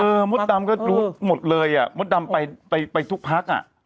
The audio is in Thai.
มดดำก็รู้หมดเลยอ่ะมดดำไปไปทุกพักอ่ะ